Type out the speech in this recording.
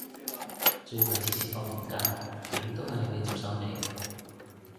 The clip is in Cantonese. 最弊次次放完假，點都係有嘢執手尾